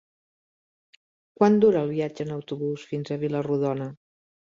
Quant dura el viatge en autobús fins a Vila-rodona?